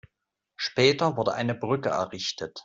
Später wurde eine Brücke errichtet.